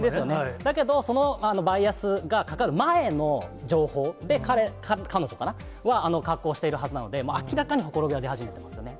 だけど、そのバイアスがかかる前の情報で、彼、彼女かな、格好しているはずなので、明らかにほころびは出始めてますよね。